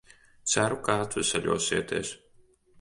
Ceru, ka atveseļosieties.